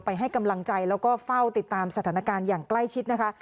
ให้กำลังใจแล้วก็เฝ้าติดตามสถานการณ์อย่างใกล้ชิดนะคะ